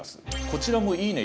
こちらも「いいね」